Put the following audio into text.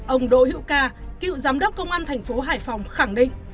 ông đỗ hữu ca cựu giám đốc công an thành phố hải phòng khẳng định